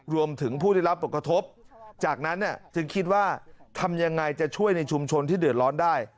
รวมถึงผู้ได้รับผลกระทบจากนั้นจึงคิดว่าทำยังไงจะช่วยในชุมชนที่เดือดร้อนได้